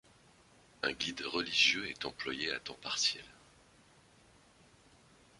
Un guide religieux est employé à temps partiel.